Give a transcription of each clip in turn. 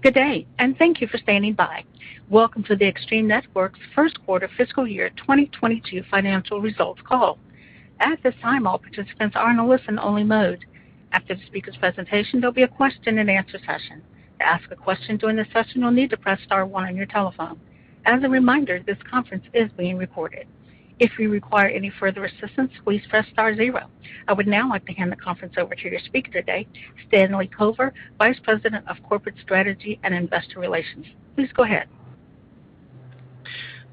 Good day, and thank you for standing by. Welcome to the Extreme Networks Q1 fiscal year 2022 Financial Results Call. At this time, all participants are in a listen-only mode. After the speaker's presentation, there'll be a Q&A session. To ask a question during the session, you'll need to press star one on your telephone. As a reminder, this conference is being recorded. If you require any further assistance, please press star zero. I would now like to hand the conference over to your speaker today, Stanley Kovler, Vice President of Corporate Strategy and Investor Relations. Please go ahead.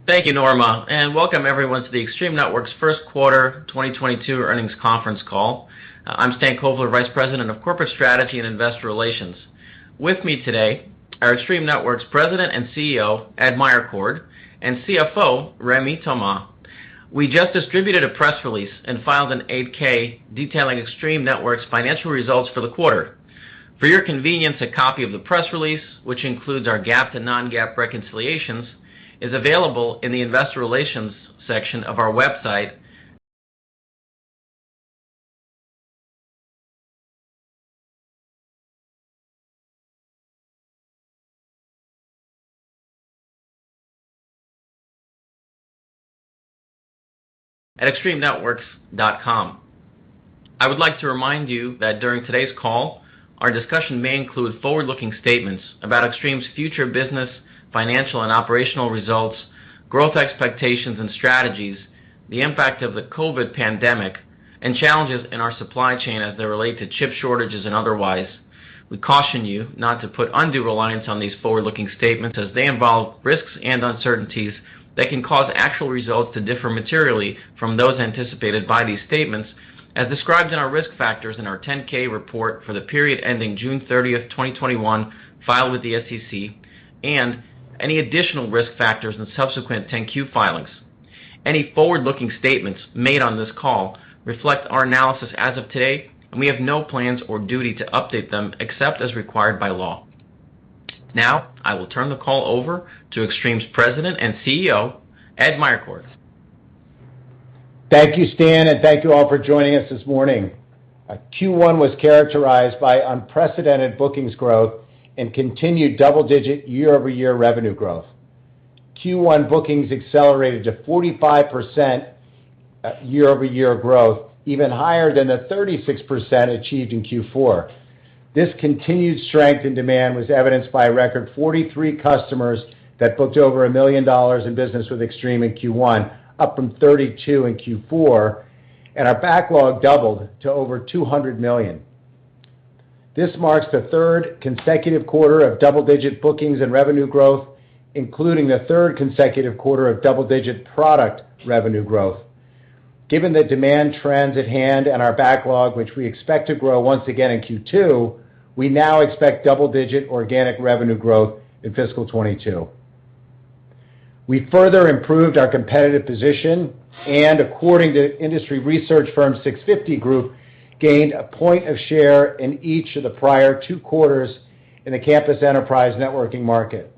Thank you, Norma, and welcome everyone to the Extreme Networks Q1 2022 Earnings Conference Call. I'm Stan Kovler, Vice President of Corporate Strategy and Investor Relations. With me today are Extreme Networks President and CEO, Ed Meyercord, and CFO, Rémi Thomas. We just distributed a press release and filed an 8-K detailing Extreme Networks' financial results for the quarter. For your convenience, a copy of the press release, which includes our GAAP to non-GAAP reconciliations, is available in the investor relations section of our website at extremenetworks.com. I would like to remind you that during today's call, our discussion may include forward-looking statements about Extreme's future business, financial and operational results, growth expectations and strategies, the impact of the COVID pandemic, and challenges in our supply chain as they relate to chip shortages and otherwise. We caution you not to put undue reliance on these forward-looking statements as they involve risks and uncertainties that can cause actual results to differ materially from those anticipated by these statements as described in our risk factors in our 10-K report for the period ending June 30th, 2021, filed with the SEC, and any additional risk factors in subsequent 10-Q filings. Any forward-looking statements made on this call reflect our analysis as of today, and we have no plans or duty to update them except as required by law. Now, I will turn the call over to Extreme's President and CEO, Ed Meyercord. Thank you, Stan, and thank you all for joining us this morning. Our Q1 was characterized by unprecedented bookings growth and continued double-digit year-over-year revenue growth. Q1 bookings accelerated to 45% year-over-year growth, even higher than the 36% achieved in Q4. This continued strength and demand was evidenced by a record 43 customers that booked over $1 million in business with Extreme in Q1, up from 32 in Q4, and our backlog doubled to over $200 million. This marks the third consecutive quarter of double-digit bookings and revenue growth, including the third consecutive quarter of double-digit product revenue growth. Given the demand trends at hand and our backlog, which we expect to grow once again in Q2, we now expect double-digit organic revenue growth in fiscal 2022. We further improved our competitive position and according to industry research firm 650 Group, gained a point of share in each of the prior two quarters in the campus enterprise networking market.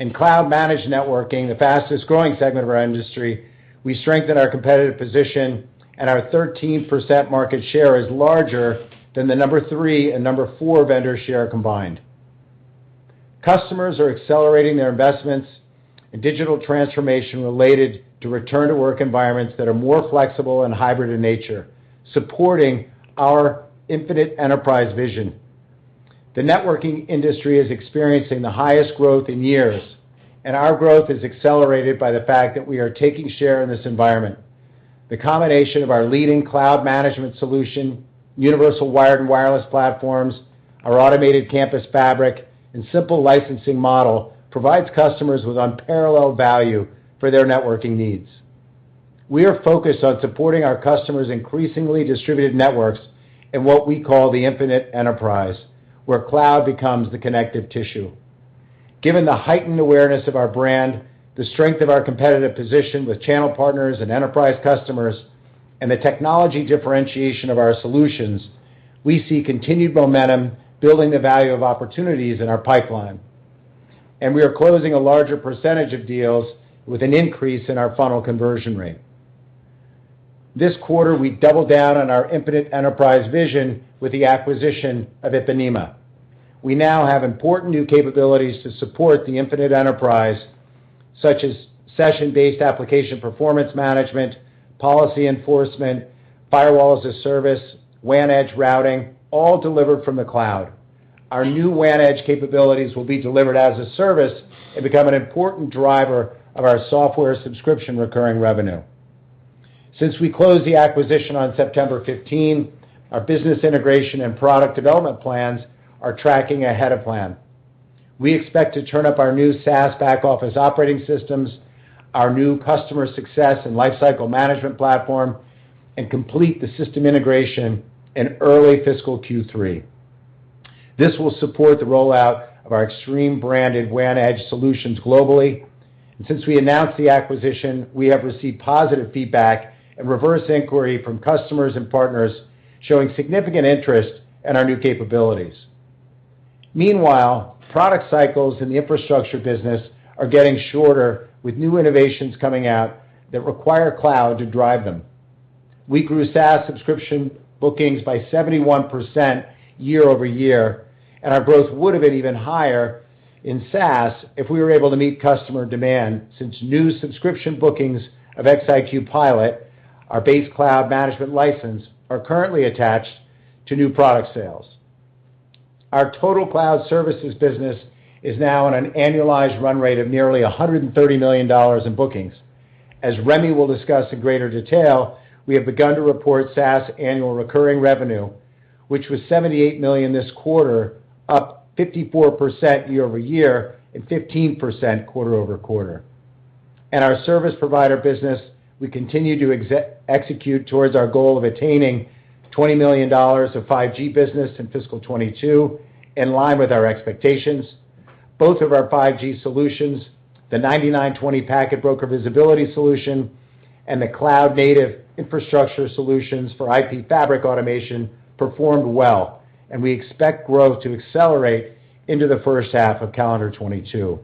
In cloud managed networking, the fastest-growing segment of our industry, we strengthened our competitive position and our 13% market share is larger than the number three and number four vendor share combined. Customers are accelerating their investments in digital transformation related to return-to-work environments that are more flexible and hybrid in nature, supporting our Infinite Enterprise vision. The networking industry is experiencing the highest growth in years, and our growth is accelerated by the fact that we are taking share in this environment. The combination of our leading cloud management solution, universal wired and wireless platforms, our automated campus fabric, and simple licensing model provides customers with unparalleled value for their networking needs. We are focused on supporting our customers' increasingly distributed networks in what we call the Infinite Enterprise, where cloud becomes the connective tissue. Given the heightened awareness of our brand, the strength of our competitive position with channel partners and enterprise customers, and the technology differentiation of our solutions, we see continued momentum building the value of opportunities in our pipeline. We are closing a larger percentage of deals with an increase in our funnel conversion rate. This quarter, we doubled down on our Infinite Enterprise vision with the acquisition of Ipanema. We now have important new capabilities to support the Infinite Enterprise, such as session-based application performance management, policy enforcement, firewall as a service, WAN edge routing, all delivered from the cloud. Our new WAN edge capabilities will be delivered as a service and become an important driver of our software subscription recurring revenue. Since we closed the acquisition on September 15th, our business integration and product development plans are tracking ahead of plan. We expect to turn up our new SaaS back-office operating systems, our new customer success and lifecycle management platform, and complete the system integration in early fiscal Q3. This will support the rollout of our Extreme-branded WAN edge solutions globally. Since we announced the acquisition, we have received positive feedback and reverse inquiry from customers and partners showing significant interest in our new capabilities. Meanwhile, product cycles in the infrastructure business are getting shorter with new innovations coming out that require cloud to drive them. We grew SaaS subscription bookings by 71% year-over-year, and our growth would have been even higher in SaaS if we were able to meet customer demand since new subscription bookings of ExtremeCloud IQ Pilot, our base cloud management license, are currently attached to new product sales. Our total cloud services business is now on an annualized run rate of nearly $130 million in bookings. As Rémi will discuss in greater detail, we have begun to report SaaS annual recurring revenue, which was $78 million this quarter, up 54% year-over-year and 15% quarter-over-quarter. In our service provider business, we continue to execute towards our goal of attaining $20 million of 5G business in fiscal 2022, in line with our expectations. Both of our 5G solutions, the 9920 Packet Broker visibility solution and the cloud native infrastructure solutions for IP Fabric automation performed well, and we expect growth to accelerate into the first half of calendar 2022.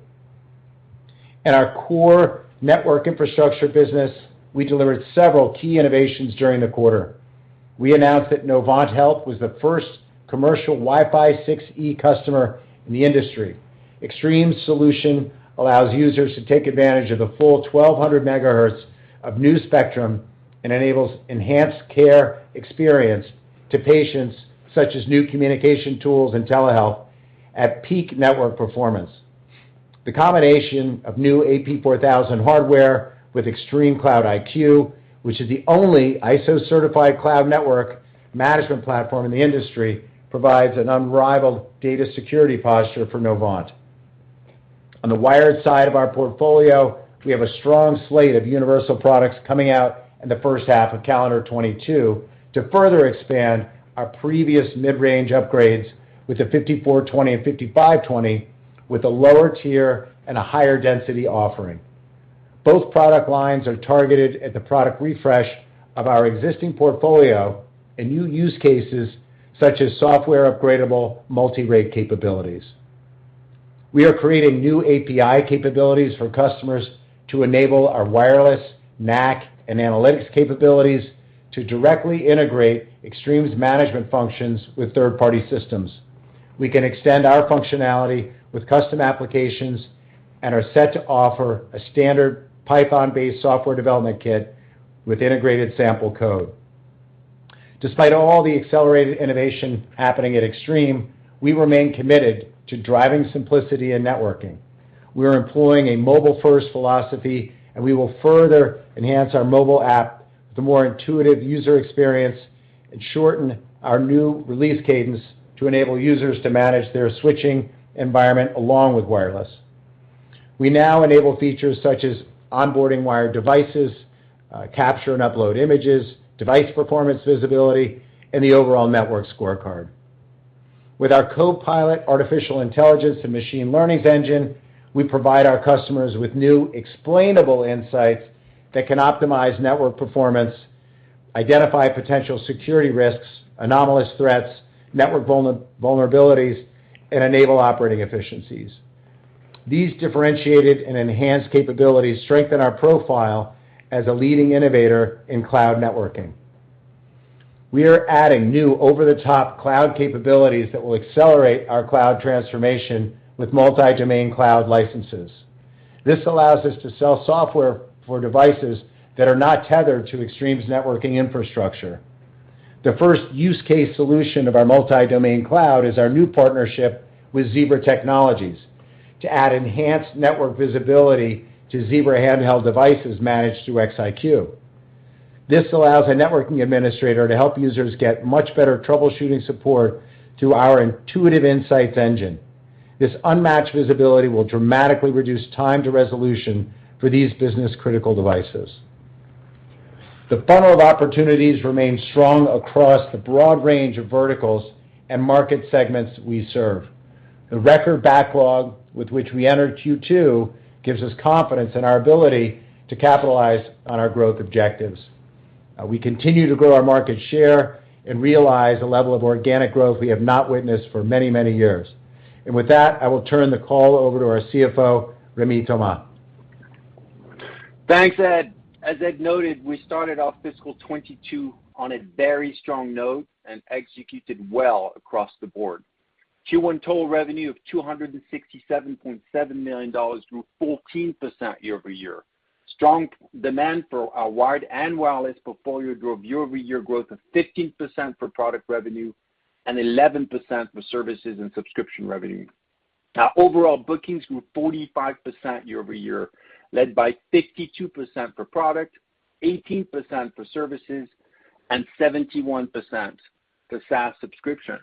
In our core network infrastructure business, we delivered several key innovations during the quarter. We announced that Novant Health was the first commercial Wi-Fi 6E customer in the industry. Extreme's solution allows users to take advantage of the full 1,200 MHz of new spectrum and enables enhanced care experience to patients such as new communication tools and telehealth at peak network performance. The combination of new AP4000 hardware with ExtremeCloud IQ, which is the only ISO-certified cloud network management platform in the industry, provides an unrivaled data security posture for Novant. On the wired side of our portfolio, we have a strong slate of universal products coming out in the first half of calendar 2022 to further expand our previous mid-range upgrades with the 5420 and 5520 with a lower tier and a higher density offering. Both product lines are targeted at the product refresh of our existing portfolio and new use cases such as software upgradable multi-rate capabilities. We are creating new API capabilities for customers to enable our wireless, NAC, and analytics capabilities to directly integrate Extreme's management functions with third-party systems. We can extend our functionality with custom applications and are set to offer a standard Python-based software development kit with integrated sample code. Despite all the accelerated innovation happening at Extreme, we remain committed to driving simplicity in networking. We are employing a mobile-first philosophy, and we will further enhance our mobile app with a more intuitive user experience and shorten our new release cadence to enable users to manage their switching environment along with wireless. We now enable features such as onboarding wired devices, capture and upload images, device performance visibility, and the overall network scorecard. With our CoPilot artificial intelligence and machine learning engine, we provide our customers with new explainable insights that can optimize network performance, identify potential security risks, anomalous threats, network vulnerabilities, and enable operating efficiencies. These differentiated and enhanced capabilities strengthen our profile as a leading innovator in cloud networking. We are adding new over-the-top cloud capabilities that will accelerate our cloud transformation with multi-domain cloud licenses. This allows us to sell software for devices that are not tethered to Extreme's networking infrastructure. The first use case solution of our multi-domain cloud is our new partnership with Zebra Technologies to add enhanced network visibility to Zebra handheld devices managed through XIQ. This allows a networking administrator to help users get much better troubleshooting support through our intuitive insights engine. This unmatched visibility will dramatically reduce time to resolution for these business-critical devices. The funnel of opportunities remains strong across the broad range of verticals and market segments we serve. The record backlog with which we enter Q2 gives us confidence in our ability to capitalize on our growth objectives. We continue to grow our market share and realize a level of organic growth we have not witnessed for many, many years. With that, I will turn the call over to our CFO, Rémi Thomas. Thanks, Ed. As Ed noted, we started off fiscal 2022 on a very strong note and executed well across the board. Q1 total revenue of $267.7 million grew 14% year-over-year. Strong demand for our wired and wireless portfolio drove year-over-year growth of 15% for product revenue and 11% for services and subscription revenue. Our overall bookings grew 45% year-over-year, led by 52% for product, 18% for services, and 71% for SaaS subscription.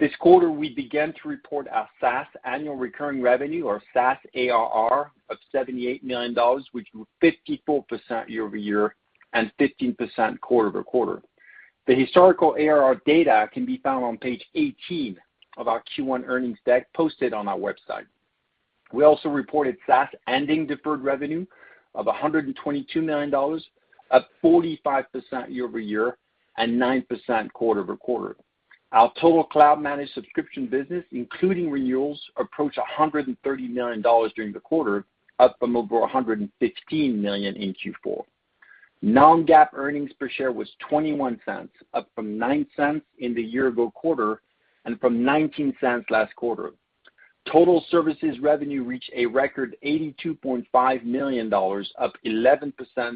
This quarter, we began to report our SaaS annual recurring revenue, or SaaS ARR, of $78 million, which grew 54% year-over-year and 15% quarter-over-quarter. The historical ARR data can be found on page 18 of our Q1 earnings deck posted on our website. We also reported SaaS ending deferred revenue of $122 million, up 45% year-over-year and 9% quarter-over-quarter. Our total cloud managed subscription business, including renewals, approached $130 million during the quarter, up from over $115 million in Q4. Non-GAAP earnings per share was $0.21, up from $0.09 in the year ago quarter and from $0.19 last quarter. Total services revenue reached a record $82.5 million, up 11%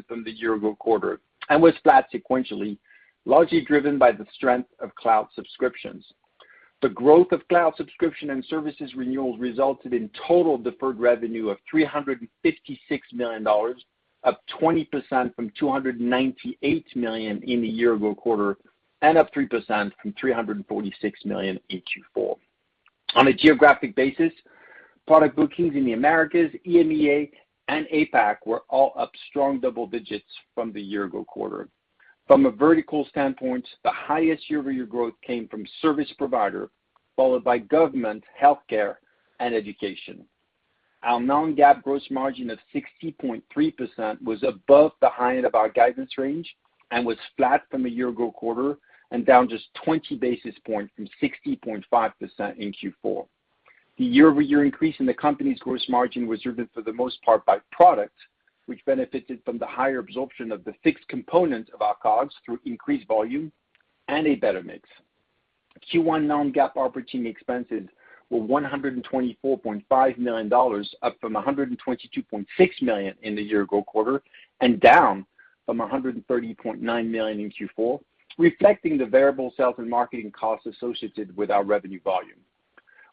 from the year ago quarter, and was flat sequentially, largely driven by the strength of cloud subscriptions. The growth of cloud subscription and services renewals resulted in total deferred revenue of $356 million, up 20% from $298 million in the year ago quarter, and up 3% from $346 million in Q4. On a geographic basis, product bookings in the Americas, EMEA, and APAC were all up strong double digits from the year ago quarter. From a vertical standpoint, the highest year-over-year growth came from service provider, followed by government, healthcare, and education. Our non-GAAP gross margin of 60.3% was above the high end of our guidance range and was flat from a year ago quarter and down just 20 basis points from 60.5% in Q4. The year-over-year increase in the company's gross margin was driven for the most part by product, which benefited from the higher absorption of the fixed component of our COGS through increased volume and a better mix. Q1 non-GAAP operating expenses were $124.5 million, up from $122.6 million in the year ago quarter, and down from $130.9 million in Q4, reflecting the variable sales and marketing costs associated with our revenue volume.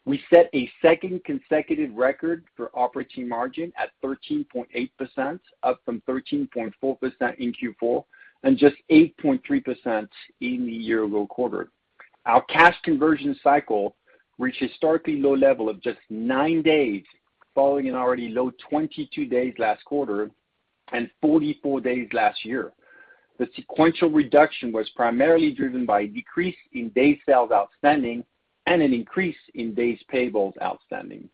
We set a second consecutive record for operating margin at 13.8%, up from 13.4% in Q4, and just 8.3% in the year ago quarter. Our cash conversion cycle reached historically low level of just nine days, following an already low 22 days last quarter and 44 days last year. The sequential reduction was primarily driven by a decrease in day sales outstanding and an increase in days payables outstanding.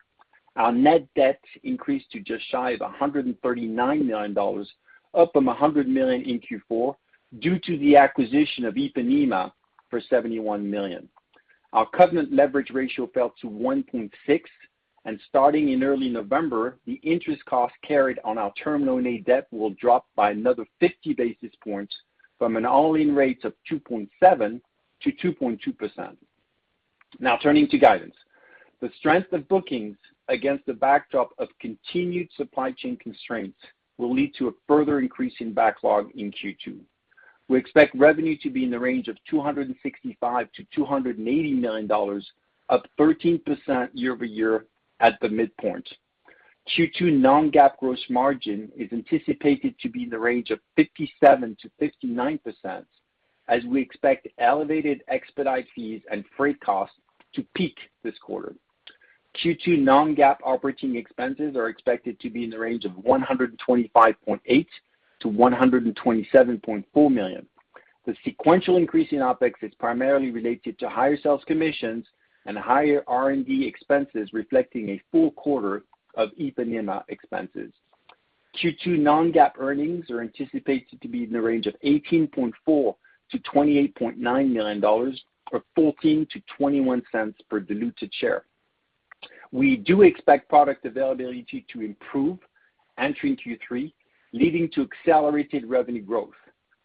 Our net debt increased to just shy of $139 million, up from $100 million in Q4 due to the acquisition of Ipanema for $71 million. Our covenant leverage ratio fell to 1.6, and starting in early November, the interest cost carried on our Term Loan A debt will drop by another 50 basis points from an all-in rate of 2.7% to 2.2%. Now, turning to guidance. The strength of bookings against the backdrop of continued supply chain constraints will lead to a further increase in backlog in Q2. We expect revenue to be in the range of $265 million to $280 million, up 13% year-over-year at the midpoint. Q2 non-GAAP gross margin is anticipated to be in the range of 57% to 59%, as we expect elevated expedite fees and freight costs to peak this quarter. Q2 non-GAAP operating expenses are expected to be in the range of $125.8 million to $127.4 million. The sequential increase in OpEx is primarily related to higher sales commissions and higher R&D expenses, reflecting a full quarter of Ipanema expenses. Q2 non-GAAP earnings are anticipated to be in the range of $18.4 million to $28.9 million, or $0.14 to $0.21 per diluted share. We do expect product availability to improve entering Q3, leading to accelerated revenue growth.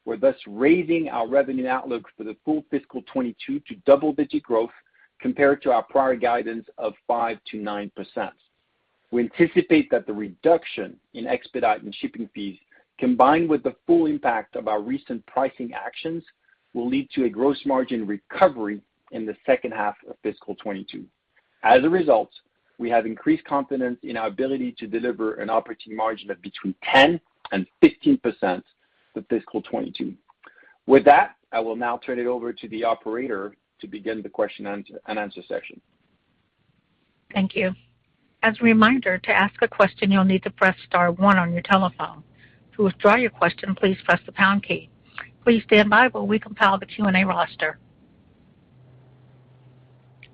We're thus raising our revenue outlook for the full fiscal 2022 to double-digit growth compared to our prior guidance of 5% to 9%. We anticipate that the reduction in expedite and shipping fees, combined with the full impact of our recent pricing actions, will lead to a gross margin recovery in the second half of fiscal 2022. As a result, we have increased confidence in our ability to deliver an operating margin of between 10% and 15% for fiscal 2022. With that, I will now turn it over to the operator to begin the question and answer session. Thank you. As a reminder, to ask a question, you'll need to press star one on your telephone. To withdraw your question, please press the pound key. Please stand by while we compile the Q&A roster.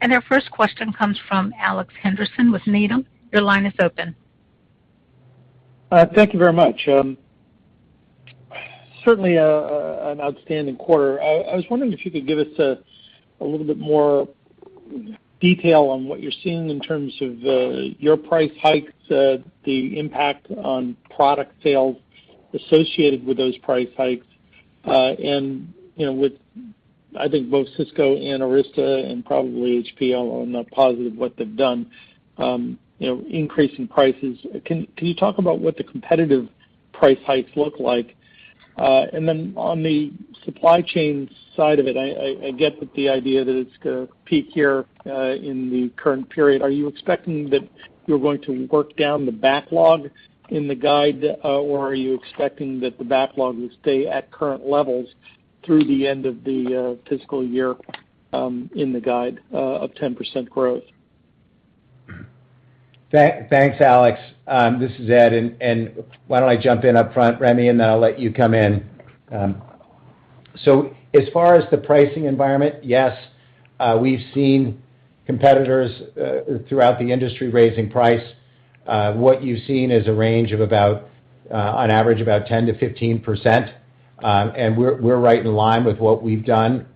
Our first question comes from Alex Henderson with Needham & Company. Your line is open. Thank you very much. Certainly, an outstanding quarter. I was wondering if you could give us a little bit more detail on what you're seeing in terms of your price hikes, the impact on product sales associated with those price hikes. You know, with I think both Cisco and Arista and probably HPE, I'm not positive what they've done, you know, increasing prices. Can you talk about what the competitive price hikes look like? On the supply chain side of it, I get that the idea that it's gonna peak here in the current period. Are you expecting that you're going to work down the backlog in the guide, or are you expecting that the backlog will stay at current levels through the end of the fiscal year, in the guide, of 10% growth? Thanks, Alex. This is Ed, and why don't I jump in upfront, Rémi, and then I'll let you come in. As far as the pricing environment, yes, we've seen competitors throughout the industry raising price. What you've seen is a range of about, on average, about 10% to 15%. We're right in line with what we've done.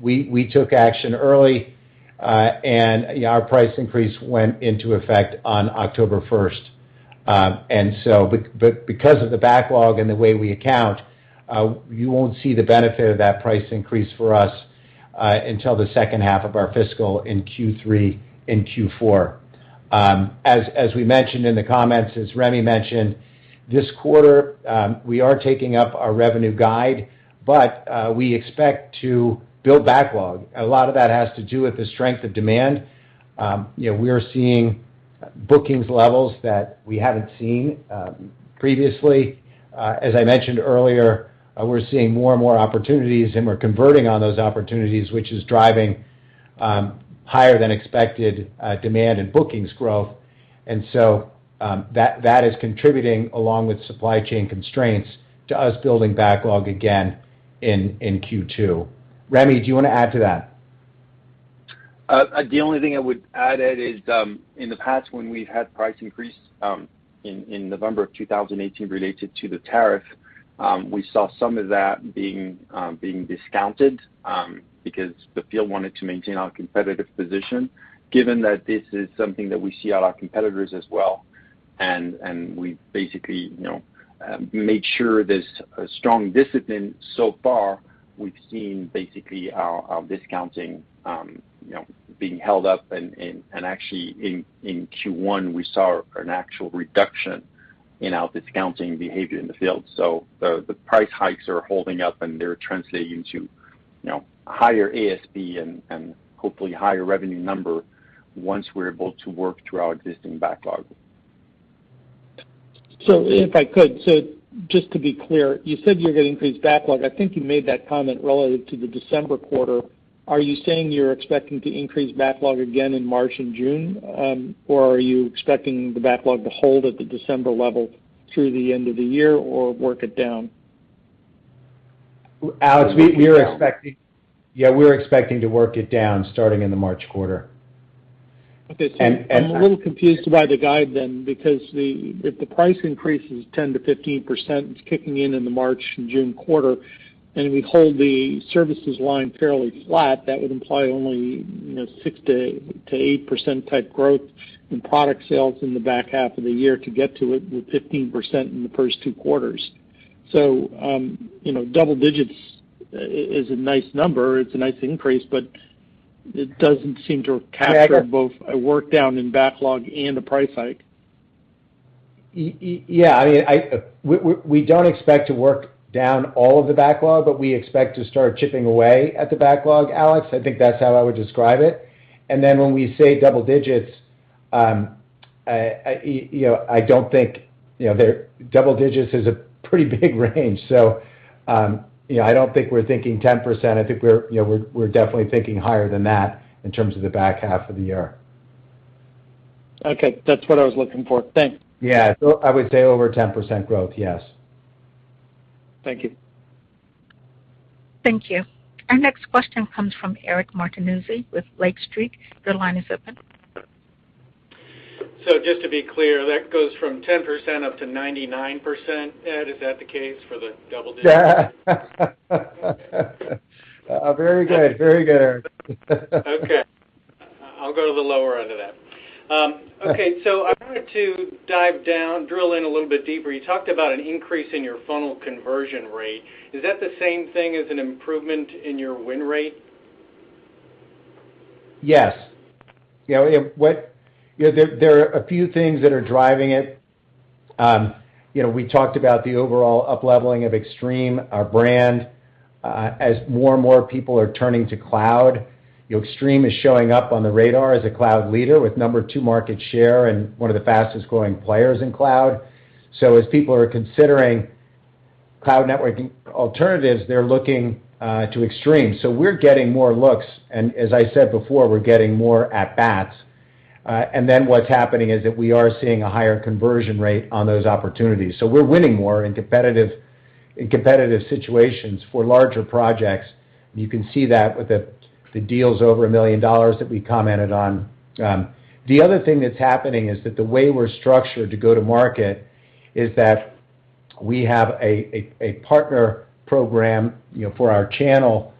We took action early, and you know, our price increase went into effect on October 1st. Because of the backlog and the way we account, you won't see the benefit of that price increase for us until the second half of our fiscal in Q3 and Q4. As we mentioned in the comments, as Rémi mentioned, this quarter we are taking up our revenue guide, but we expect to build backlog. A lot of that has to do with the strength of demand. You know, we are seeing bookings levels that we haven't seen previously. As I mentioned earlier, we're seeing more and more opportunities, and we're converting on those opportunities, which is driving higher than expected demand and bookings growth. That is contributing, along with supply chain constraints, to us building backlog again in Q2. Rémi, do you wanna add to that? The only thing I would add, Ed, is in the past, when we've had price increase in November of 2018 related to the tariff, we saw some of that being discounted because the field wanted to maintain our competitive position. Given that this is something that we see at our competitors as well, and we basically, you know, made sure there's a strong discipline. So far, we've seen basically our discounting, you know, being held up. Actually in Q1, we saw an actual reduction in our discounting behavior in the field. The price hikes are holding up, and they're translating to, you know, higher ASP and hopefully higher revenue number once we're able to work through our existing backlog. Just to be clear, you said you're gonna increase backlog. I think you made that comment relative to the December quarter. Are you saying you're expecting to increase backlog again in March and June? Or are you expecting the backlog to hold at the December level through the end of the year or work it down? Alex, we are expecting Work it down. Yeah, we're expecting to work it down starting in the March quarter. Okay. I'm a little confused by the guide then because if the price increase is 10% to 15%, it's kicking in in the March and June quarter, and we hold the services line fairly flat, that would imply only, you know, 6% to 8% type growth in product sales in the back half of the year to get to it with 15% in the first two quarters. You know, double digits is a nice number. It's a nice increase, but it doesn't seem to capture both a work down in backlog and a price hike. Yeah. I mean, we don't expect to work down all of the backlog, but we expect to start chipping away at the backlog, Alex. I think that's how I would describe it. Then when we say double digits, you know, I don't think double digits is a pretty big range. You know, I don't think we're thinking 10%. I think we're, you know, definitely thinking higher than that in terms of the back half of the year. Okay. That's what I was looking for. Thanks. Yeah. I would say over 10% growth, yes. Thank you. Thank you. Our next question comes from Eric Martinuzzi with Lake Street Capital Markets. Your line is open. Just to be clear, that goes from 10% up to 99%, Ed? Is that the case for the double digits? Very good, Eric. Okay. I'll go to the lower end of that. Okay. I wanted to dive down, drill in a little bit deeper. You talked about an increase in your funnel conversion rate. Is that the same thing as an improvement in your win rate? Yes. You know, there are a few things that are driving it. You know, we talked about the overall upleveling of Extreme, our brand. As more and more people are turning to cloud, you know, Extreme is showing up on the radar as a cloud leader with number two market share and one of the fastest-growing players in cloud. As people are considering cloud network alternatives, they're looking to Extreme. We're getting more looks, and as I said before, we're getting more at bats. Then what's happening is that we are seeing a higher conversion rate on those opportunities. We're winning more in competitive situations for larger projects. You can see that with the deals over $1 million that we commented on. The other thing that's happening is that the way we're structured to go to market is that we have a partner program, you know, for our channel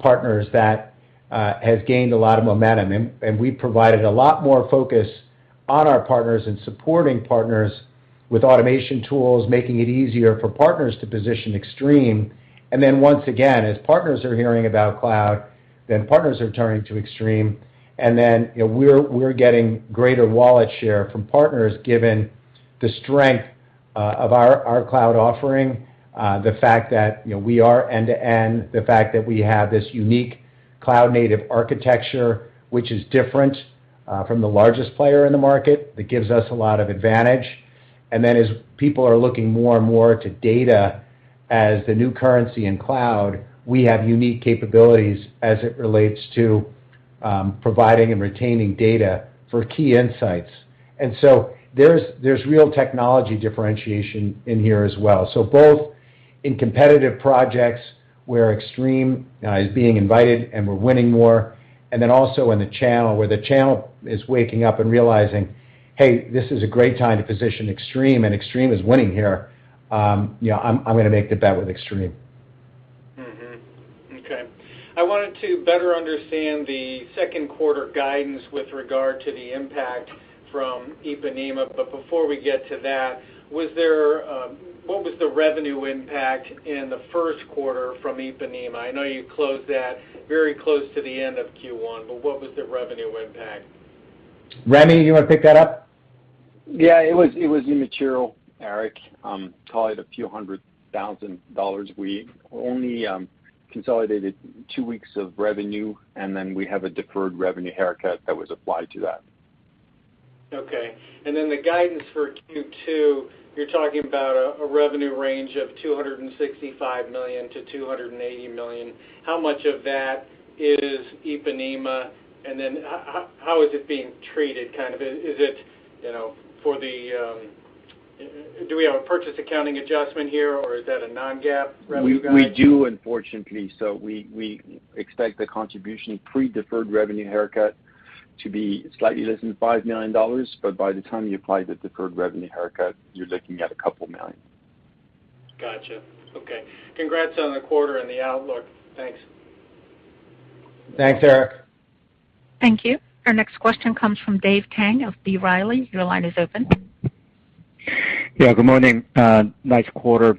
partners that has gained a lot of momentum. We provided a lot more focus on our partners and supporting partners with automation tools, making it easier for partners to position Extreme. Once again, as partners are hearing about cloud, partners are turning to Extreme. You know, we're getting greater wallet share from partners, given the strength of our cloud offering. The fact that, you know, we are end-to-end, the fact that we have this unique cloud-native architecture, which is different from the largest player in the market, that gives us a lot of advantage. As people are looking more and more to data as the new currency in cloud, we have unique capabilities as it relates to providing and retaining data for key insights. There's real technology differentiation in here as well. Both in competitive projects where Extreme is being invited and we're winning more, and then also in the channel where the channel is waking up and realizing, "Hey, this is a great time to position Extreme, and Extreme is winning here. You know, I'm gonna make the bet with Extreme. Mm-hmm. Okay. I wanted to better understand the Q2 guidance with regard to the impact from Ipanema. Before we get to that, was there, what was the revenue impact in the Q1 from Ipanema? I know you closed that very close to the end of Q1, but what was the revenue impact? Rémi, you wanna pick that up? Yeah. It was immaterial, Eric. Call it a few hundred thousand dollars. We only consolidated two weeks of revenue, and then we have a deferred revenue haircut that was applied to that. Okay. The guidance for Q2, you're talking about a revenue range of $265 million to $280 million. How much of that is Ipanema? How is it being treated kind of? Do we have a purchase accounting adjustment here, or is that a non-GAAP revenue guide? We do unfortunately. We expect the contribution pre-deferred revenue haircut to be slightly less than $5 million. By the time you apply the deferred revenue haircut, you're looking at $2 million. Gotcha. Okay. Congrats on the quarter and the outlook. Thanks. Thanks, Eric. Thank you. Our next question comes from Dave Kang of B. Riley Securities. Your line is open. Yeah, good morning. Nice quarter.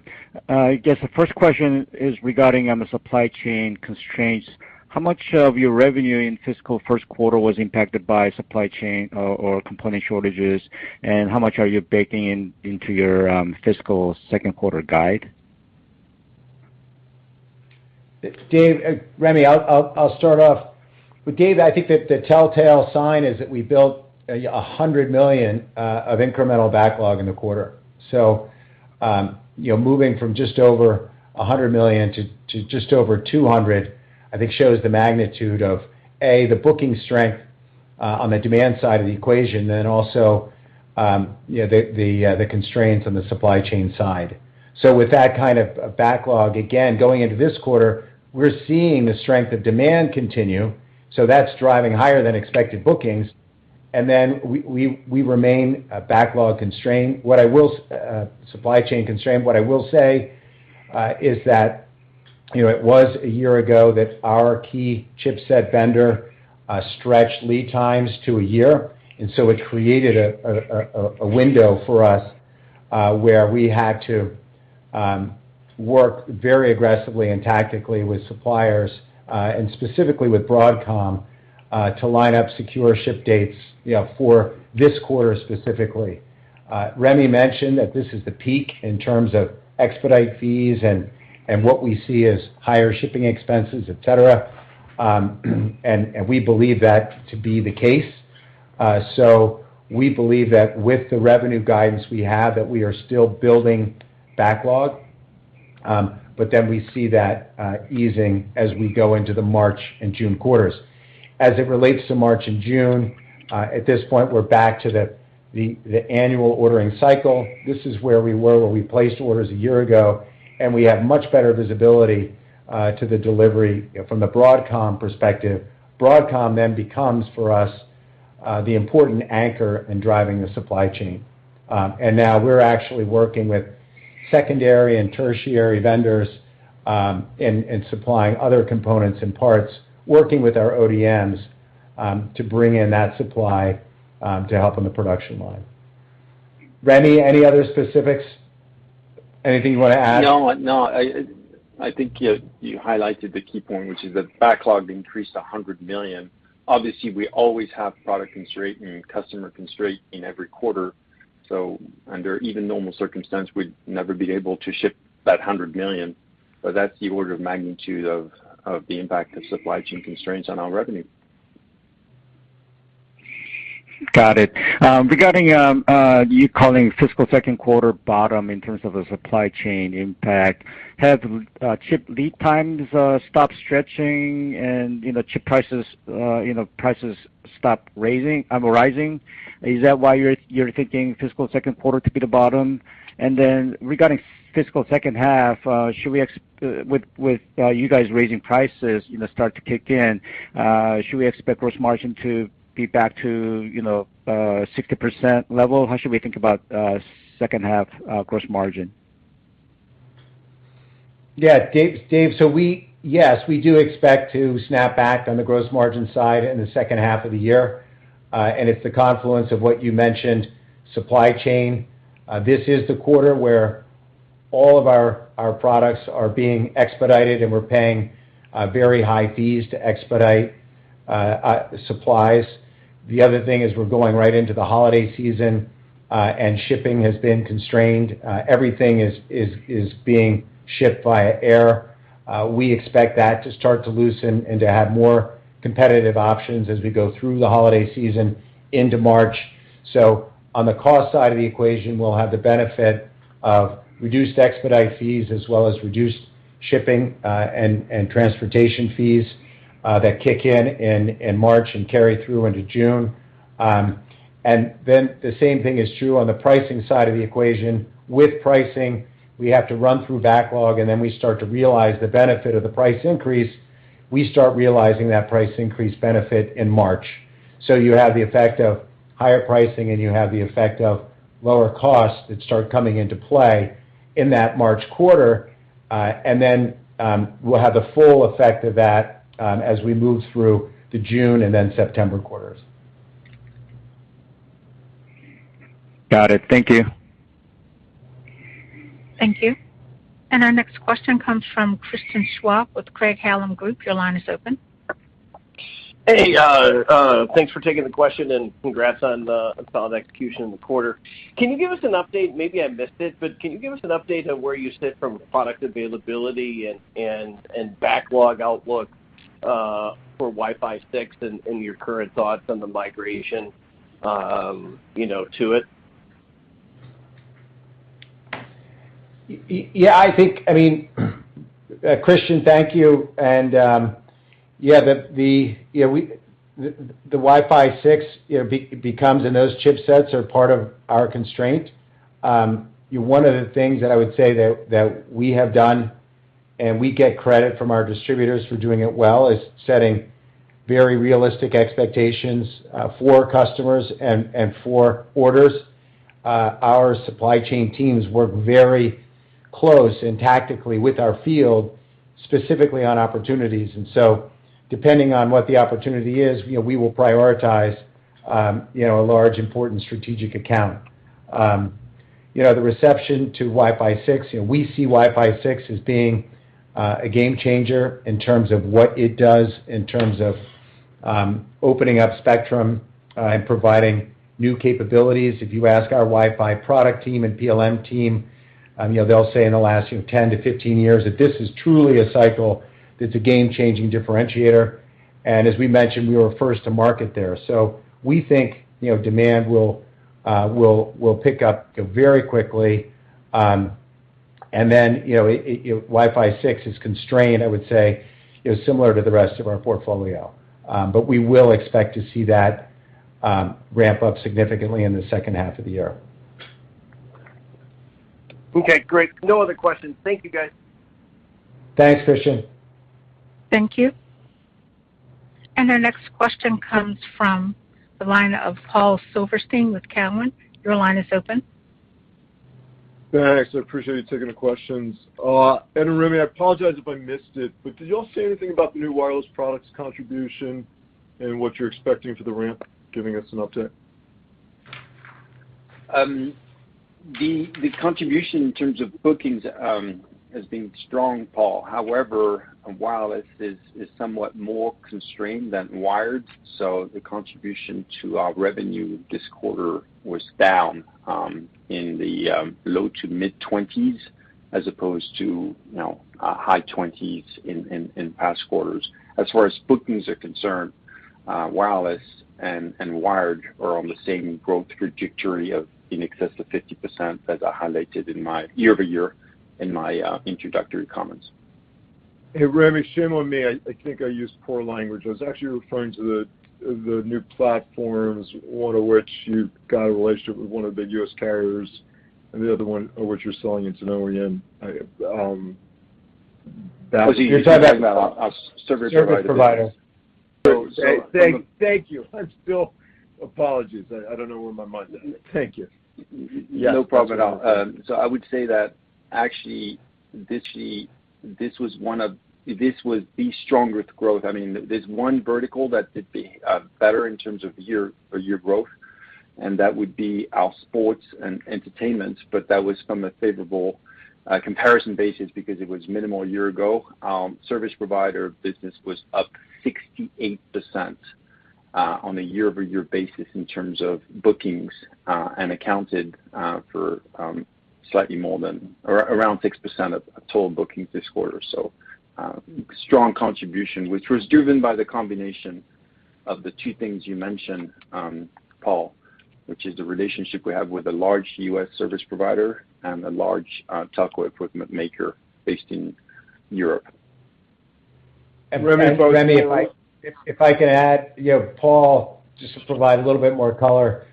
I guess the first question is regarding the supply chain constraints. How much of your revenue in fiscal Q1 was impacted by supply chain or component shortages, and how much are you baking in into your fiscal Q2 guide? Dave, Rémi, I'll start off. Dave, I think the telltale sign is that we built a $100 million of incremental backlog in the quarter. You know, moving from just over $100 million to just over $200 million, I think shows the magnitude of A, the booking strength on the demand side of the equation, then also you know, the constraints on the supply chain side. With that kind of backlog, again, going into this quarter, we're seeing the strength of demand continue, so that's driving higher than expected bookings, and then we remain a backlog constraint, supply chain constraint. What I will say is that, you know, it was a year ago that our key chipset vendor stretched lead times to a year, and so it created a window for us where we had to work very aggressively and tactically with suppliers and specifically with Broadcom to line up secure ship dates, you know, for this quarter specifically. Rémi mentioned that this is the peak in terms of expedite fees and what we see as higher shipping expenses, et cetera. We believe that to be the case. We believe that with the revenue guidance we have, that we are still building backlog, but then we see that easing as we go into the March and June quarters. As it relates to March and June, at this point, we're back to the annual ordering cycle. This is where we were when we placed orders a year ago, and we have much better visibility to the delivery, you know, from the Broadcom perspective. Broadcom then becomes, for us, the important anchor in driving the supply chain. Now we're actually working with secondary and tertiary vendors in supplying other components and parts, working with our ODMs, to bring in that supply to help in the production line. Rémi, any other specifics? Anything you wanna add? No, no. I think you highlighted the key point, which is that backlog increased to $100 million. Obviously, we always have product constraint and customer constraint in every quarter, so under even normal circumstances, we'd never be able to ship that $100 million. That's the order of magnitude of the impact of supply chain constraints on our revenue. Got it. Regarding you calling fiscal Q2 bottom in terms of the supply chain impact, have chip lead times stopped stretching and, you know, chip prices stopped rising? Is that why you're thinking fiscal Q2 to be the bottom? Regarding fiscal second half, with you guys raising prices, you know, start to kick in, should we expect gross margin to be back to, you know, 60% level? How should we think about second half gross margin? Dave, yes, we do expect to snap back on the gross margin side in the second half of the year. It's the confluence of what you mentioned, supply chain. This is the quarter where all of our products are being expedited, and we're paying very high fees to expedite supplies. The other thing is we're going right into the holiday season, and shipping has been constrained. Everything is being shipped via air. We expect that to start to loosen and to have more competitive options as we go through the holiday season into March. On the cost side of the equation, we'll have the benefit of reduced expedite fees as well as reduced shipping and transportation fees that kick in in March and carry through into June. The same thing is true on the pricing side of the equation. With pricing, we have to run through backlog, and then we start to realize the benefit of the price increase. We start realizing that price increase benefit in March. You have the effect of higher pricing, and you have the effect of lower costs that start coming into play in that March quarter. We'll have the full effect of that as we move through to June and then September quarters. Got it. Thank you. Thank you. Our next question comes from Christian Schwab with Craig-Hallum Group. Your line is open. Hey, thanks for taking the question, and congrats on the solid execution in the quarter. Can you give us an update, maybe I missed it, but can you give us an update on where you sit from product availability and backlog outlook for Wi-Fi 6 and your current thoughts on the migration, you know, to it? Yeah, I think, I mean, Christian, thank you. The you know, the Wi-Fi 6, you know, becomes, and those chipsets are part of our constraint. One of the things that I would say that we have done, and we get credit from our distributors for doing it well, is setting very realistic expectations, for customers and for orders. Our supply chain teams work very close and tactically with our field, specifically on opportunities. Depending on what the opportunity is, you know, we will prioritize, you know, a large important strategic account. You know, the reception to Wi-Fi 6, you know, we see Wi-Fi 6 as being, a game changer in terms of what it does, in terms of, opening up spectrum, and providing new capabilities. If you ask our Wi-Fi product team and PLM team, you know, they'll say in the last, you know, 10 to 15 years that this is truly a cycle that's a game-changing differentiator. As we mentioned, we were first to market there. We think, you know, demand will pick up, you know, very quickly. You know, Wi-Fi 6 is constrained, I would say, you know, similar to the rest of our portfolio. We will expect to see that ramp up significantly in the second half of the year. Okay, great. No other questions. Thank you, guys. Thanks, Christian. Thank you. Our next question comes from the line of Paul Silverstein with Cowen. Your line is open. Thanks. I appreciate you taking the questions. Ed and Rémi, I apologize if I missed it, but did y'all say anything about the new wireless products contribution and what you're expecting for the ramp, giving us an update? The contribution in terms of bookings has been strong, Paul. However, wireless is somewhat more constrained than wired, so the contribution to our revenue this quarter was down in the low- to mid-20s as opposed to, you know, high 20s in past quarters. As far as bookings are concerned, wireless and wired are on the same growth trajectory of in excess of 50%, as I highlighted in my year-over-year introductory comments. Hey, Rémi, shame on me. I think I used poor language. I was actually referring to the new platforms, one of which you got a relationship with one of the U.S. carriers and the other one of which you're selling it to an OEM. That's You're talking about our service provider business. service provider. Thank you. Apologies, I don't know where my mind is. Thank you. No problem at all. I would say that actually this was the strongest growth. I mean, there's one vertical that did better in terms of year-over-year growth, and that would be our sports and entertainment, but that was from a favorable comparison basis because it was minimal a year ago. Service provider business was up 68% on a year-over-year basis in terms of bookings and accounted for slightly more than or around 6% of total bookings this quarter. Strong contribution, which was driven by the combination of the two things you mentioned, Paul, which is the relationship we have with a large U.S. service provider and a large telco equipment maker based in Europe. Rémi, if I can add, you know, Paul, just to provide a little bit more color.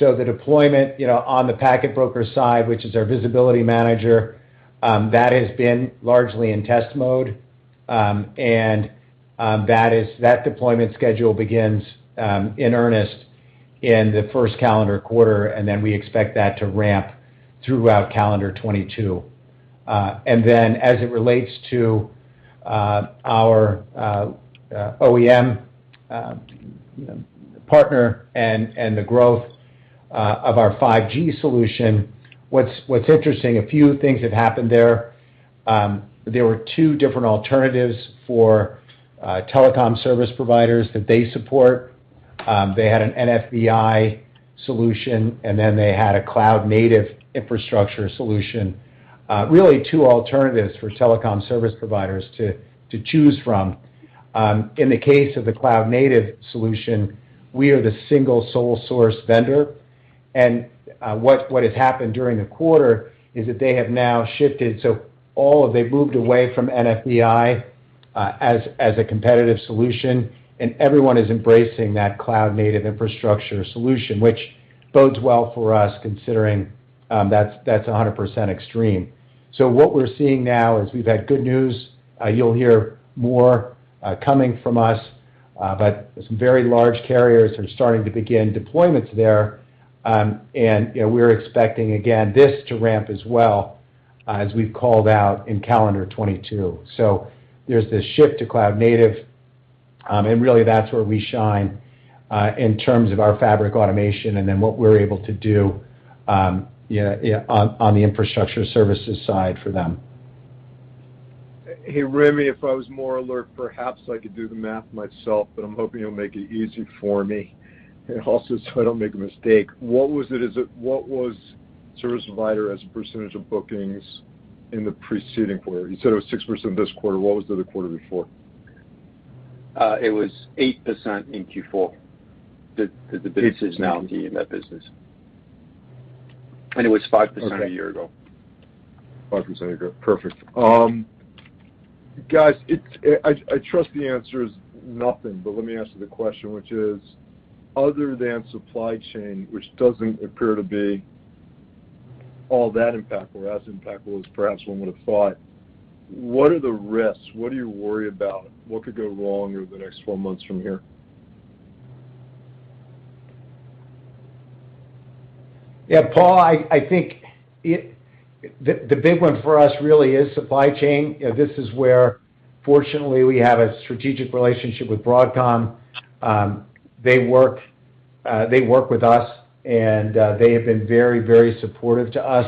The deployment, you know, on the Packet Broker side, which is our visibility manager, that has been largely in test mode. That deployment schedule begins in earnest in the first calendar quarter, and then we expect that to ramp throughout calendar 2022. Then as it relates to our OEM partner and the growth of our 5G solution, what's interesting, a few things have happened there. There were two different alternatives for telecom service providers that they support. They had an NFVI solution, and then they had a cloud native infrastructure solution. Really two alternatives for telecom service providers to choose from. In the case of the cloud-native solution, we are the single sole-source vendor. What has happened during the quarter is that they have now shifted. All of them have moved away from NFVI as a competitive solution, and everyone is embracing that cloud-native infrastructure solution, which bodes well for us considering that's 100% Extreme. What we're seeing now is we've had good news. You'll hear more coming from us, but some very large carriers are starting to begin deployments there. You know, we're expecting, again, this to ramp as well as we've called out in calendar 2022. There's this shift to cloud-native, and really that's where we shine in terms of our fabric automation and then what we're able to do, yeah, on the infrastructure services side for them. Hey, Rémi, if I was more alert, perhaps I could do the math myself, but I'm hoping you'll make it easy for me so I don't make a mistake. What was service provider as a percentage of bookings in the preceding quarter? You said it was 6% this quarter. What was the other quarter before? It was 8% in Q4. The busines, 8%. now in that business. It was 5% a year ago. Okay. 5% a year ago. Perfect. Guys, I trust the answer is nothing, but let me ask you the question, which is, other than supply chain, which doesn't appear to be all that impactful or as impactful as perhaps one would have thought, what are the risks? What are you worried about? What could go wrong over the next four months from here? Yeah, Paul, I think the big one for us really is supply chain. This is where fortunately we have a strategic relationship with Broadcom. They work with us, and they have been very supportive to us.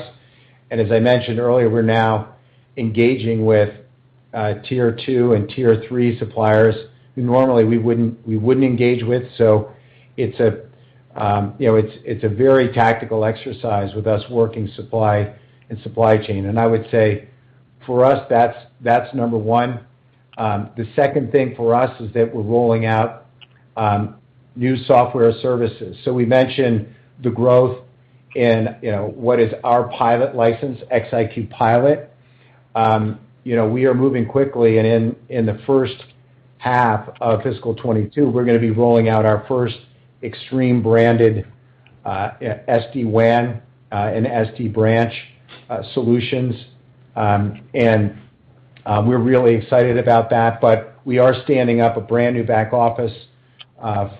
As I mentioned earlier, we're now engaging with tier two and tier three suppliers who normally we wouldn't engage with. It's a very tactical exercise with us working supply and supply chain. I would say for us, that's number one. The second thing for us is that we're rolling out new software services. We mentioned the growth in what is our pilot license, XIQ Pilot. You know, we are moving quickly, and in the first half of fiscal 2022, we're gonna be rolling out our first Extreme-branded SD-WAN and SD-Branch solutions. We're really excited about that. We are standing up a brand-new back office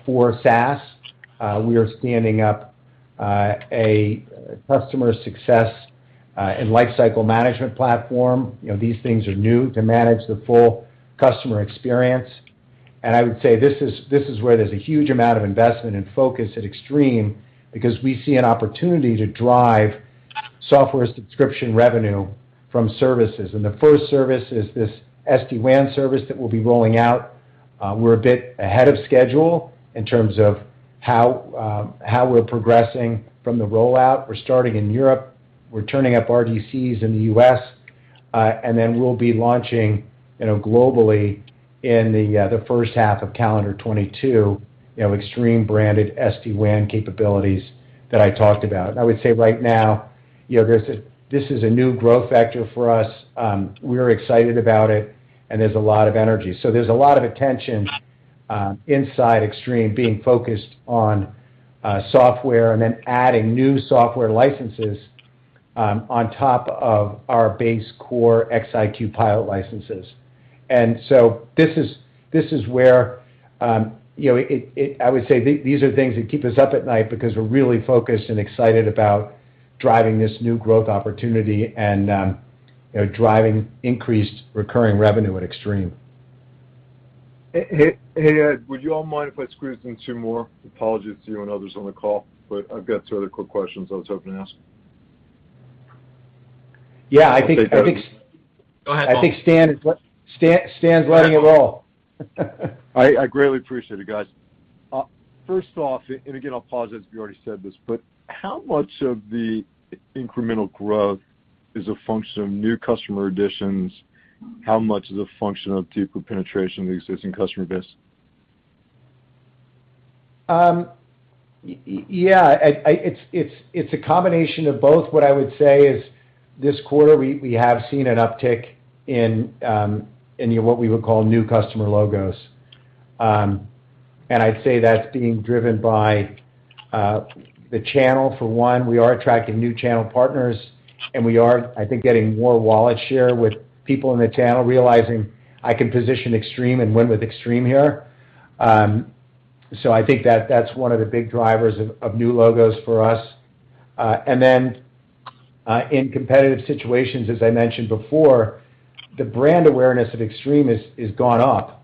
for SaaS. We are standing up a customer success and lifecycle management platform, you know, these things are new, to manage the full customer experience. I would say this is where there's a huge amount of investment and focus at Extreme because we see an opportunity to drive software subscription revenue from services. The first service is this SD-WAN service that we'll be rolling out. We're a bit ahead of schedule in terms of how we're progressing from the rollout. We're starting in Europe. We're turning up RDCs in the U.S. We'll be launching, you know, globally in the first half of calendar 2022, you know, Extreme-branded SD-WAN capabilities that I talked about. I would say right now, you know, this is a new growth factor for us. We're excited about it, and there's a lot of energy. There's a lot of attention inside Extreme being focused on software and then adding new software licenses on top of our base core ExtremeCloud IQ Pilot licenses. This is where, you know, I would say these are things that keep us up at night because we're really focused and excited about driving this new growth opportunity and, you know, driving increased recurring revenue at Extreme. Hey, Ed, would you all mind if I squeeze in two more? Apologies to you and others on the call, but I've got two other quick questions I was hoping to ask. Yeah, I think. Okay, go ahead. I think Stan is letting it roll. I greatly appreciate it, guys. First off, and again, I'll pause as you already said this, but how much of the incremental growth is a function of new customer additions? How much is a function of deeper penetration of the existing customer base? Yeah, it's a combination of both. What I would say is this quarter we have seen an uptick in what we would call new customer logos. I'd say that's being driven by the channel. For one, we are attracting new channel partners, and we are, I think, getting more wallet share with people in the channel realizing I can position Extreme and win with Extreme here. I think that's one of the big drivers of new logos for us. Then, in competitive situations, as I mentioned before, the brand awareness of Extreme has gone up.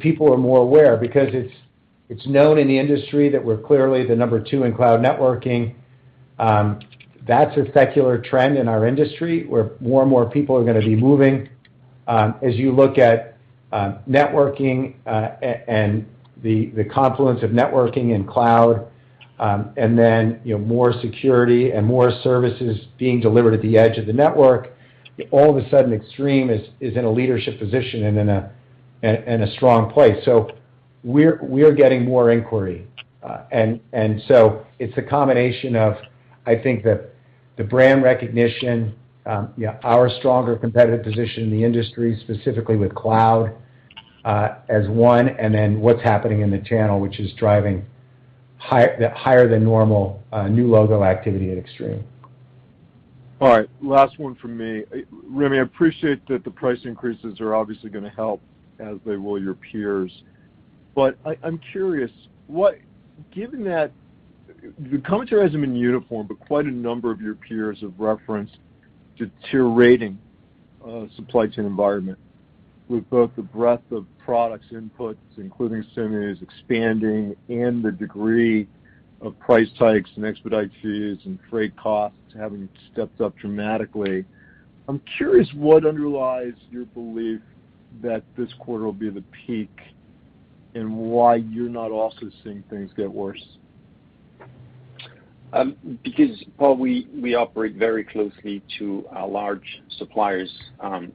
People are more aware because it's known in the industry that we're clearly the number two in cloud networking. That's a secular trend in our industry, where more and more people are gonna be moving. As you look at networking and the confluence of networking and cloud, and then, you know, more security and more services being delivered at the edge of the network, all of a sudden Extreme is in a leadership position and in a strong place. We're getting more inquiry. It's a combination of, I think, the brand recognition, yeah, our stronger competitive position in the industry, specifically with cloud, as one, and then what's happening in the channel, which is driving higher than normal new logo activity at Extreme. All right, last one from me. Rémi, I appreciate that the price increases are obviously gonna help, as they will your peers. I'm curious, given that the commentary hasn't been uniform, but quite a number of your peers have referenced deteriorating supply chain environment with both the breadth of products inputs, including semis expanding and the degree of price hikes and expedite fees and freight costs having stepped up dramatically. I'm curious what underlies your belief that this quarter will be the peak and why you're not also seeing things get worse. Because, Paul, we operate very closely to our large suppliers,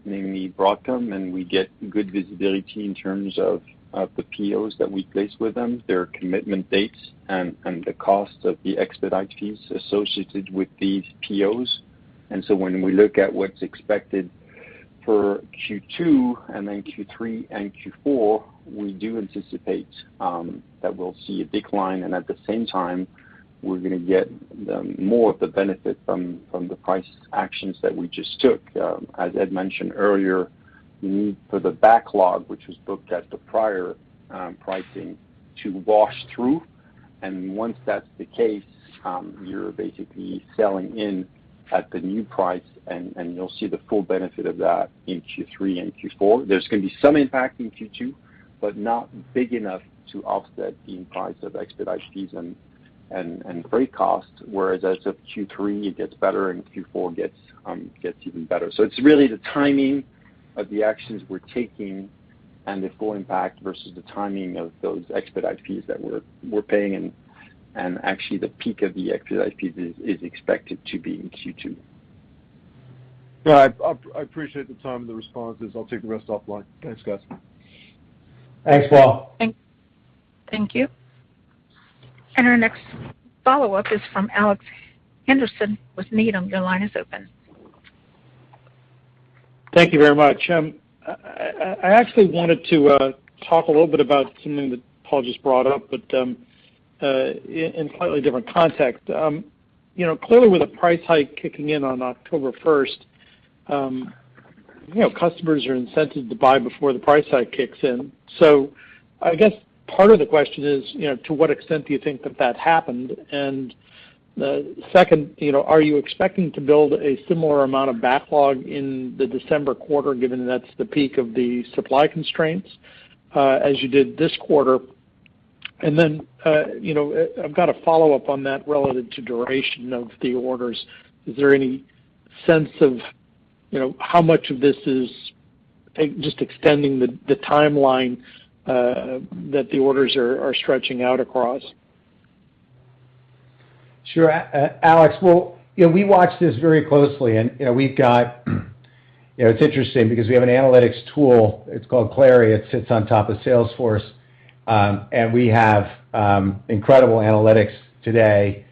namely Broadcom, and we get good visibility in terms of the POs that we place with them, their commitment dates and the cost of the expedite fees associated with these POs. When we look at what's expected for Q2 and then Q3 and Q4, we do anticipate that we'll see a decline, and at the same time, we're gonna get the more of the benefit from the price actions that we just took. As Ed mentioned earlier, the need for the backlog, which was booked at the prior pricing to wash through. Once that's the case, you're basically selling in at the new price and you'll see the full benefit of that in Q3 and Q4. There's gonna be some impact in Q2, but not big enough to offset the impact of expedite fees and freight costs, whereas as of Q3 it gets better and Q4 gets even better. It's really the timing of the actions we're taking and the full impact versus the timing of those expedite fees that we're paying and actually the peak of the expedite fees is expected to be in Q2. No, I appreciate the time and the responses. I'll take the rest offline. Thanks, guys. Thanks, Paul. Thank you. Our next follow-up is from Alex Henderson with Needham & Company. Your line is open. Thank you very much. I actually wanted to talk a little bit about something that Paul just brought up, but in slightly different context. You know, clearly with a price hike kicking in on October 1st, you know, customers are incented to buy before the price hike kicks in. I guess part of the question is, you know, to what extent do you think that happened? You know, are you expecting to build a similar amount of backlog in the December quarter, given that's the peak of the supply constraints, as you did this quarter? Then, you know, I've got a follow-up on that relative to duration of the orders. Is there any sense of, you know, how much of this is just extending the timeline that the orders are stretching out across? Sure. Alex, well, you know, we watch this very closely and, you know, we've got, you know, it's interesting because we have an analytics tool, it's called Clari, it sits on top of Salesforce. And we have incredible analytics today,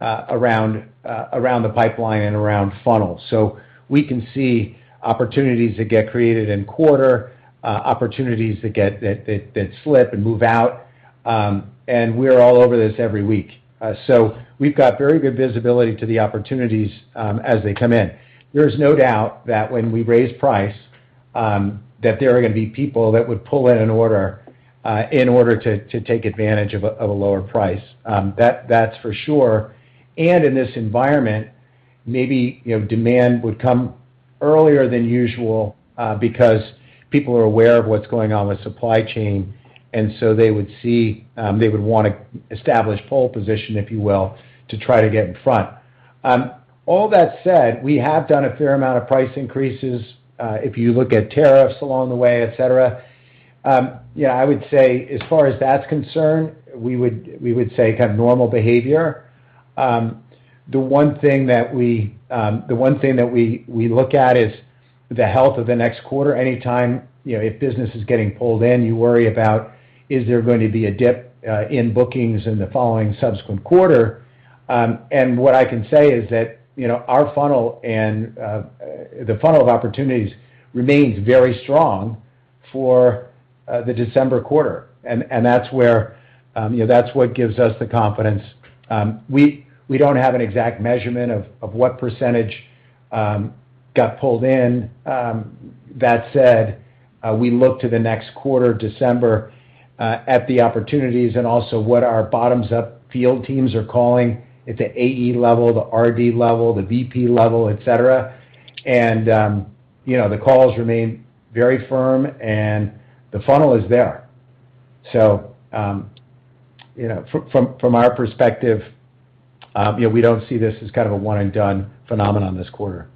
around the pipeline and around funnel. So we can see opportunities that get created in quarter, opportunities that get that slip and move out, and we're all over this every week. So we've got very good visibility to the opportunities, as they come in. There's no doubt that when we raise price, that there are gonna be people that would pull in an order, in order to take advantage of a lower price, that's for sure. In this environment, maybe, you know, demand would come earlier than usual, because people are aware of what's going on with supply chain, and so they would see, they would wanna establish pole position, if you will, to try to get in front. All that said, we have done a fair amount of price increases. If you look at tariffs along the way, et cetera, yeah, I would say as far as that's concerned, we would say kind of normal behavior. The one thing that we look at is the health of the next quarter. Anytime, you know, if business is getting pulled in, you worry about is there going to be a dip in bookings in the following subsequent quarter. What I can say is that, you know, our funnel and the funnel of opportunities remains very strong for the December quarter. That's where, you know, that's what gives us the confidence. We don't have an exact measurement of what percentage got pulled in. That said, we look to the next quarter, December, at the opportunities and also what our bottoms-up field teams are calling at the AE level, the RD level, the VP level, et cetera. You know, the calls remain very firm and the funnel is there. You know, from our perspective, you know, we don't see this as kind of a one and done phenomenon this quarter.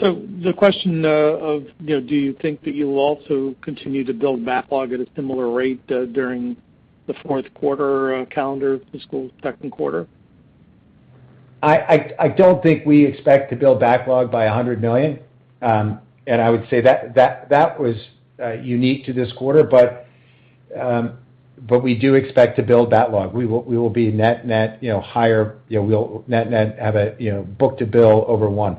The question, of, you know, do you think that you'll also continue to build backlog at a similar rate, during the Q4, calendar fiscal Q2? I don't think we expect to build backlog by $100 million. I would say that was unique to this quarter, but we do expect to build backlog. We will be net higher, you know, we'll net have a book-to-bill over one.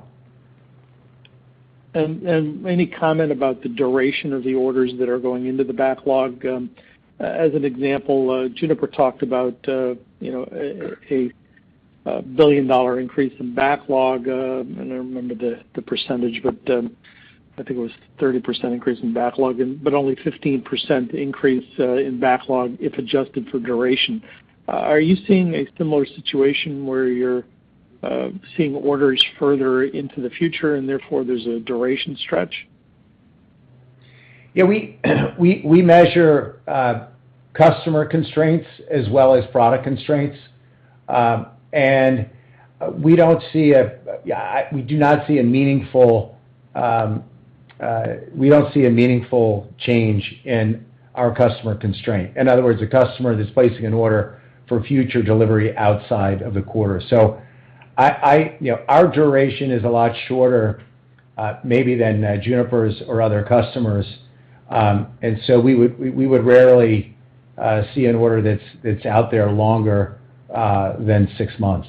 Any comment about the duration of the orders that are going into the backlog? As an example, Juniper talked about, you know, a billion dollar increase in backlog, and I remember the percentage, but I think it was 30% increase in backlog and but only 15% increase in backlog if adjusted for duration. Are you seeing a similar situation where you're seeing orders further into the future and therefore there's a duration stretch? We measure customer constraints as well as product constraints. We do not see a meaningful change in our customer constraint. In other words, a customer that's placing an order for future delivery outside of the quarter. You know, our duration is a lot shorter, maybe than Juniper's or other customers. We would rarely see an order that's out there longer than six months.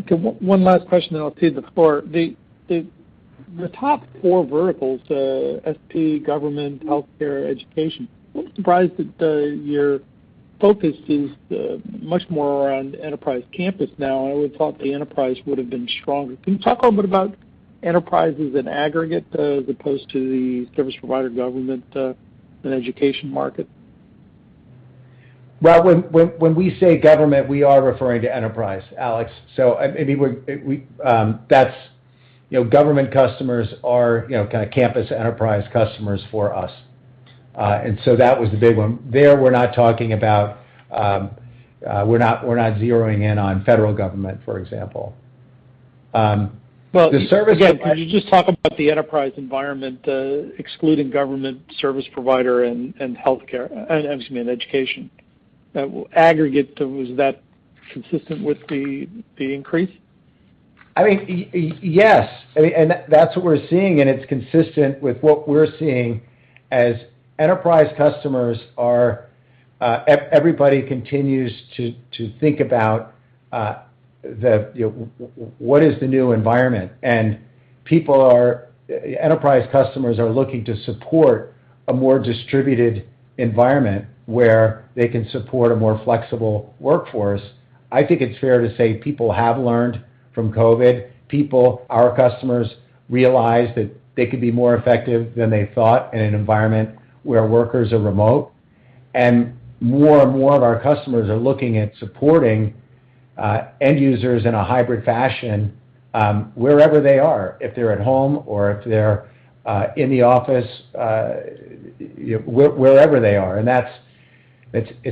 Okay, one last question, then I'll cede the floor. The top four verticals, SP, government, healthcare, education. A little surprised that your focus is much more around enterprise campus now. I would thought the enterprise would have been stronger. Can you talk a little bit about enterprises in aggregate, as opposed to the service provider, government, and education market? Well, when we say government, we are referring to enterprise, Alex. That's, you know, government customers are, you know, kinda campus enterprise customers for us. That was the big one there. We're not talking about. We're not zeroing in on federal government, for example. The service Well, again, can you just talk about the enterprise environment, excluding government service provider and healthcare, and excuse me, and education. Aggregate, is that consistent with the increase? I mean, yes. I mean, that's what we're seeing, and it's consistent with what we're seeing as enterprise customers are. Everybody continues to think about, you know, what is the new environment. Enterprise customers are looking to support a more distributed environment where they can support a more flexible workforce. I think it's fair to say people have learned from COVID. People, our customers, realize that they could be more effective than they thought in an environment where workers are remote. More and more of our customers are looking at supporting end users in a hybrid fashion, wherever they are, if they're at home or if they're in the office, you know, wherever they are. That's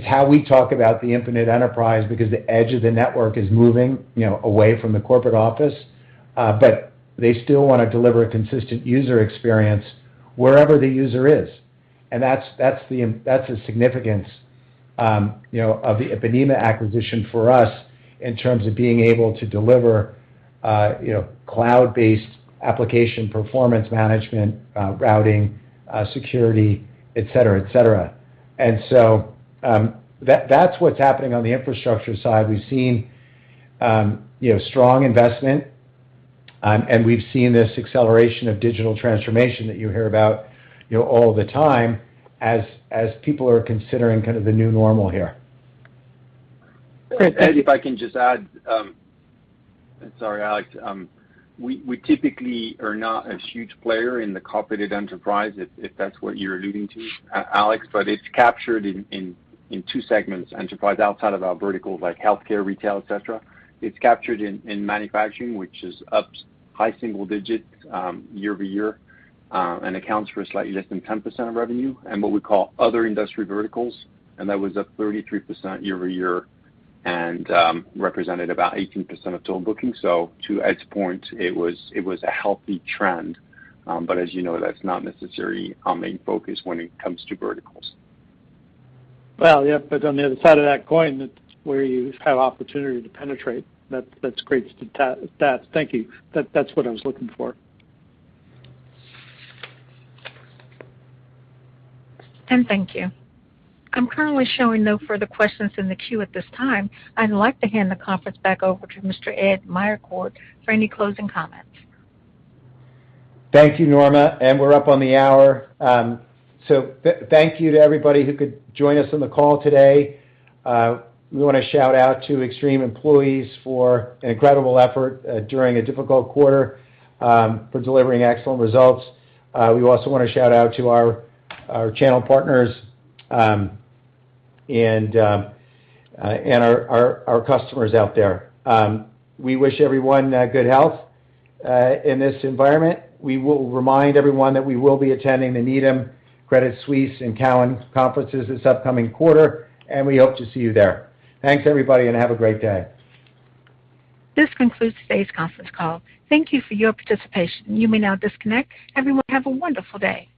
how we talk about the Infinite Enterprise because the edge of the network is moving, you know, away from the corporate office, but they still wanna deliver a consistent user experience wherever the user is. That's the significance, you know, of the Ipanema acquisition for us in terms of being able to deliver, you know, cloud-based application performance management, routing, security, et cetera, et cetera. That's what's happening on the infrastructure side. We've seen, you know, strong investment, and we've seen this acceleration of digital transformation that you hear about, you know, all the time as people are considering kind of the new normal here. Chris. Ed, if I can just add. Sorry, Alex. We typically are not a huge player in the corporate enterprise, if that's what you're alluding to, Alex. It's captured in two segments, enterprise outside of our verticals like healthcare, retail, et cetera. It's captured in manufacturing, which is up high single digits year-over-year and accounts for slightly less than 10% of revenue, and what we call other industry verticals, and that was up 33% year-over-year and represented about 18% of total bookings. To Ed's point, it was a healthy trend. As you know, that's not necessarily our main focus when it comes to verticals. Well, yeah, on the other side of that coin, that's where you have opportunity to penetrate. That's great stats. Thank you. That's what I was looking for. Thank you. I'm currently showing no further questions in the queue at this time. I'd like to hand the conference back over to Mr. Ed Meyercord for any closing comments. Thank you, Norma, and we're up on the hour. Thank you to everybody who could join us on the call today. We wanna shout out to Extreme employees for an incredible effort during a difficult quarter for delivering excellent results. We also wanna shout out to our channel partners and our customers out there. We wish everyone good health in this environment. We will remind everyone that we will be attending the Needham, Credit Suisse, and Cowen conferences this upcoming quarter, and we hope to see you there. Thanks, everybody, and have a great day. This concludes today's conference call. Thank you for your participation. You may now disconnect. Everyone have a wonderful day.